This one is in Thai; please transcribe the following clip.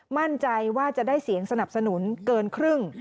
มั่นใจว่าจะได้เสียงสนับสนุนเกินครึ่ง